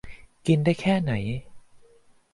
กินได้แค่ไหน